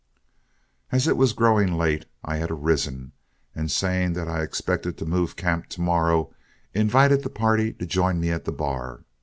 As it was growing late, I had arisen, and saying that I expected to move camp to morrow, invited the party to join me at the bar.